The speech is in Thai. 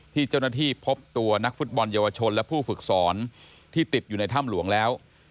ที่เจ้าหน้าที่พบตัวนักฟุตบอลเยาวชนและผู้ฝึกสอนที่ติดอยู่ในถ้ำหลวงแล้ว